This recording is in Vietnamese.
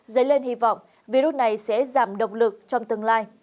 dấy lên hy vọng virus này sẽ giảm động lực trong tương lai